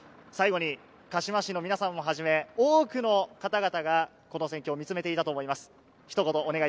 鹿嶋市の皆さんをはじめ、多くの方々がこの戦況を見つめていたと思います。